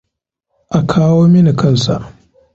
A kawo mini kansa.